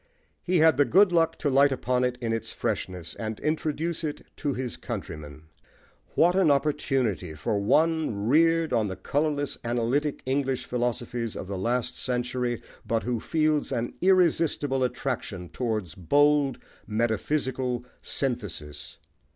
He had the good luck to light upon it in its freshness, and introduce it to his countrymen. What an opportunity for one reared on the colourless analytic English philosophies of the last century, but who feels an irresistible attraction towards bold metaphysical synthesis!